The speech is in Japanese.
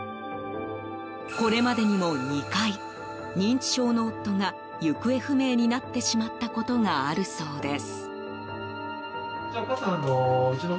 これまでにも２回、認知症の夫が行方不明になってしまったことがあるそうです。